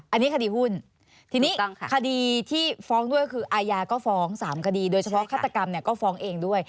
อันนี้คดีหุ้นทีนี้คดีที่ฟ้องด้วยคืออาญาก็ฟ้อง๓คดีโดยเฉพาะฆาตกรรมเนี่ยก็ฟ้องเองด้วย